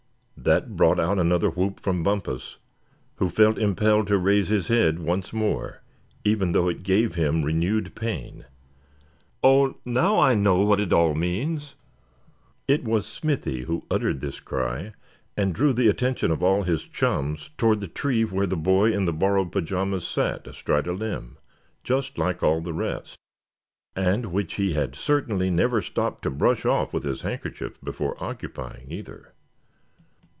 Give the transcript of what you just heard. That brought out another whoop from Bumpus, who felt impelled to raise his head once more, even though it gave him renewed pain. "Oh! now I know what it all means!" It was Smithy who uttered this cry, and drew the attention of all his chums toward the tree where the boy in the borrowed pajamas sat astride a limb, just like all the rest, and which he had certainly never stopped to brush off with his handkerchief before occupying, either.